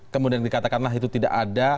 kemudian dikatakanlah itu tidak ada